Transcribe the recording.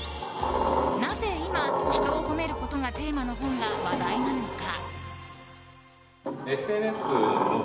なぜ今、人を褒めることがテーマの本が話題なのか。